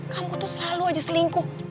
kamu tuh selalu aja selingkuh